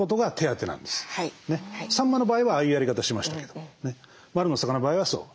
さんまの場合はああいうやり方しましたけどまるの魚の場合はそう。